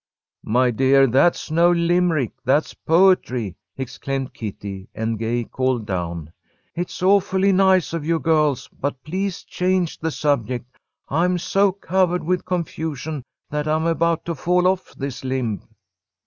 "My dear, that's no Limerick, that's poetry!" exclaimed Kitty, and Gay called down: "It's awfully nice of you, girls, but please change the subject. I'm so covered with confusion that I'm about to fall off this limb."